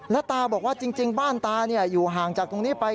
แล้วตาบอกว่าจริงบ้านตาอยู่ห่างจากตรงนี้ไป